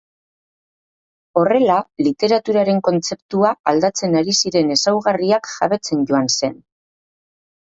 Horrela literaturaren kontzeptua aldatzen ari ziren ezaugarriak jabetzen joan zen.